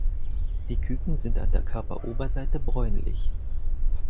Die Küken sind an der Körperoberseite bräunlich.